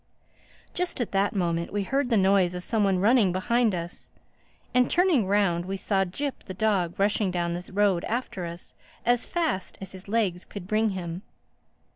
Just at that moment we heard the noise of some one running behind us; and turning round we saw Jip the dog rushing down the road after us, as fast as his legs could bring him.